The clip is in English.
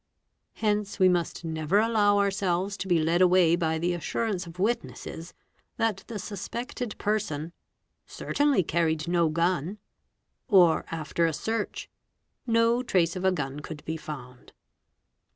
Hence we must never allow ourselves to be led away by the assurance of witnesses, that the suspected person "certainly carried no gun'"', or after a search, ''no trace of a gun could be found "'.